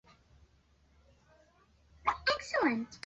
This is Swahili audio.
muundo wa misitu na uhifadhi wa kaboni kwa